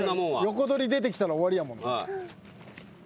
横取り出てきたら終わりやもんな。